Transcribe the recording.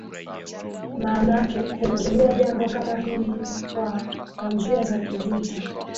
maanake kuingilia jambo kama hili kwa kwa njia za kivita